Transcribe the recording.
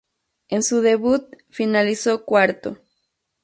En su debut finalizó cuarto.